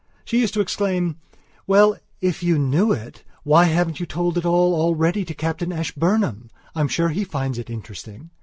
She used to exclaim: "Well, if you knew it, why haven't you told it all already to Captain Ashburnham? I'm sure he finds it interesting!"